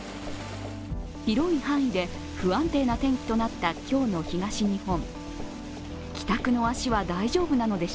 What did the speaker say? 広い範囲で不安定な天気となった今日の東日本。